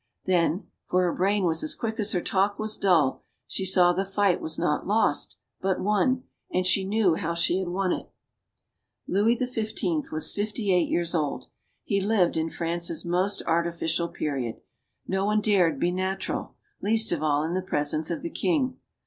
Then for her brain was as quick as her talk was dull she saw the fight was not lost, but won, and she knew how she had won it. Louis XV. was fifty eight years old. He lived in France's most artificial period. No one dared be natural; least of all in the presence of the king.